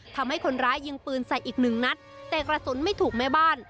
ทำให้คนร้ายยิงปืนใส่อีกหนึ่งนัดแต่กระสุนไม่ถูกแม่บ้าน